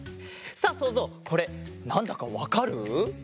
さあそうぞうこれなんだかわかる？